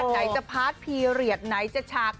ไหนจะพาตทีไหนจะชาก